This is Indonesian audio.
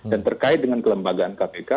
dan terkait dengan kelembagaan kpk